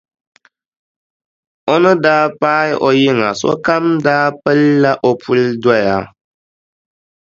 O ni daa paai o yiŋa sokam daa pilla o puli doya.